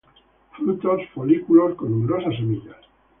Frutos, folículos con numerosas semillas.